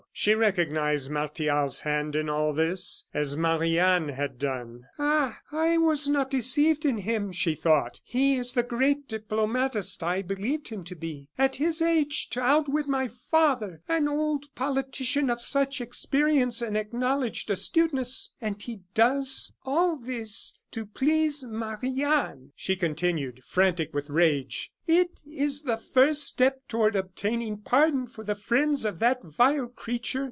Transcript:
She recognized Martial's hand in all this, as Marie Anne had done. "Ah! I was not deceived in him," she thought; "he is the great diplomatist I believed him to be. At his age to outwit my father, an old politician of such experience and acknowledged astuteness! And he does all this to please Marie Anne," she continued, frantic with rage. "It is the first step toward obtaining pardon for the friends of that vile creature.